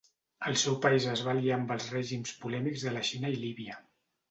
El seu país es va aliar amb els règims polèmics de la Xina i Líbia.